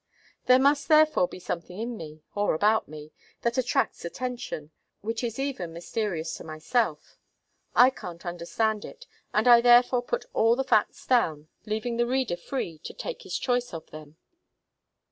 There must therefore be something in me, or about me, that attracts attention, which is even mysterious to myself. I can't understand it, and I therefore put all the facts down, leaving the reader free to take his choice of them.